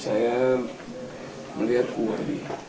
saya melihat kuwadi